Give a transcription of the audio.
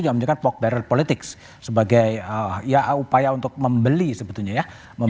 namun juga folk barrel politics sebagai upaya untuk membeli sebetulnya ya